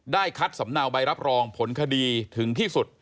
คัดสำเนาใบรับรองผลคดีถึงที่สุด